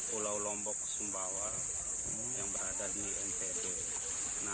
pulau lombok sumbawa yang berada di ntb